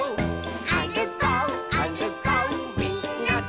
「あるこうあるこうみんなで」